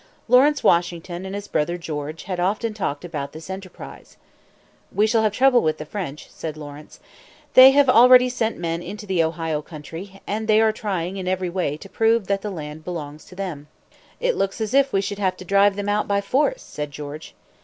Lawrence Washington and his brother George had often talked about this enterprise. "We shall have trouble with the French," said Lawrence. "They have already sent men into the Ohio Country; and they are trying in every way to prove that the land belongs to them." "It looks as if we should have to drive them out by force," said George.